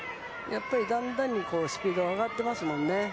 だんだんにスピードが上がってますもんね。